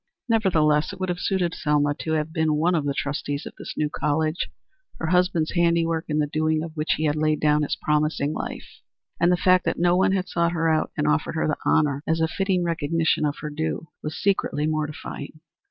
Nevertheless, it would have suited Selma to have been one of the trustees of this new college her husband's handiwork in the doing of which he had laid down his promising life and the fact that no one had sought her out and offered her the honor as a fitting recognition of her due was secretly mortifying.